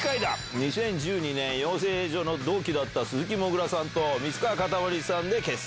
２０１２年、養成所の同期だった鈴木もぐらさんと水川かたまりさんで結成。